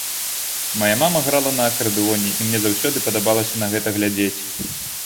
Мая мама грала на акардэоне і мне заўсёды падабалася на гэта глядзець.